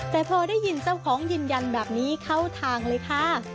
แต่พอได้ยินเจ้าของยืนยันแบบนี้เข้าทางเลยค่ะ